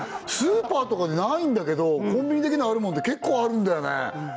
スーパーとかでないんだけどコンビニだけにあるものって結構あるんだよね